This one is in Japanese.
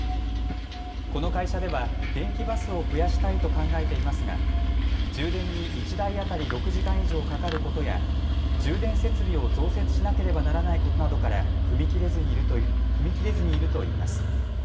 この会社では電気バスを増やしたいと考えていますが充電に１台当たり６時間以上かかることや充電設備を増設しなければならないことなどから踏み切れずにいるといいます。